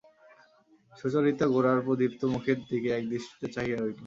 সুচরিতা গোরার প্রদীপ্ত মুখের দিকে একদৃষ্টিতে চাহিয়া রহিল।